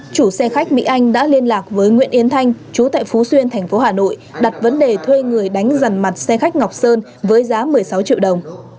chủ xe khách mỹ anh đã liên lạc với nguyễn yến thanh chú tại phú xuyên thành phố hà nội đặt vấn đề thuê người đánh dần mặt xe khách ngọc sơn với giá một mươi sáu triệu đồng